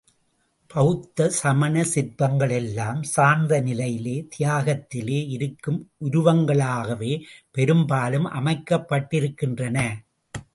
பௌத்த, சமண சிற்பங்கள் எல்லாம் சார்ந்த நிலையிலே தியாகத்திலே இருக்கும் உருவங்களாகவே பெரும்பாலும் அமைக்கப்பட்டிருக்கின்றன.